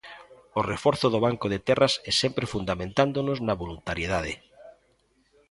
O reforzo do Banco de Terras é sempre fundamentándonos na voluntariedade.